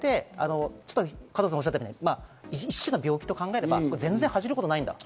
加藤さん、おっしゃったみたいに、一種の病気と考えれば全然恥じることないんだと。